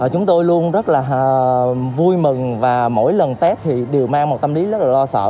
chúng tôi luôn rất là vui mừng và mỗi lần tết thì đều mang một tâm lý rất là lo sợ